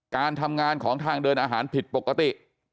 การทำงานของทางเดินอาหารผิดปกติ